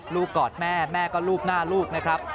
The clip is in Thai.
กอดแม่แม่ก็ลูบหน้าลูกนะครับ